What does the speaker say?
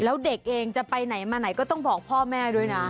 แล้วเด็กเองจะไปไหนมาไหนก็ต้องบอกพ่อแม่ด้วยนะ